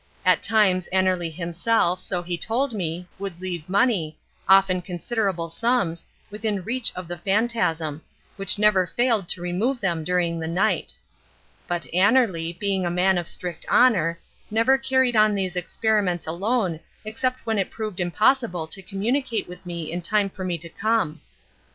At times Annerly himself, so he told me, would leave money, often considerable sums, within reach of the phantasm, which never failed to remove them during the night. But Annerly, being a man of strict honour, never carried on these experiments alone except when it proved impossible to communicate with me in time for me to come.